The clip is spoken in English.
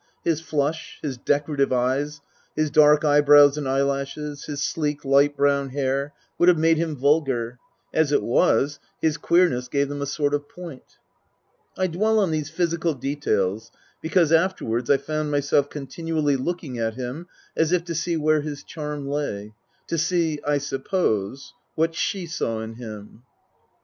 His flush, his decorative eyes, his dark eyebrows and eyelashes, his sleek, light brown hair, would have made him vulgar. As it was, his queerness gave them a sort of point. I dwell on these physical details because, afterwards, I found myself continually looking at him as if to see where his charm lay. To see, I suppose, what she saw in him.